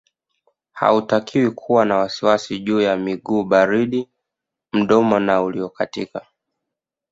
Hautakiwi kuwa na wasiwasi juu ya miguu baridi mdomo na uliokatika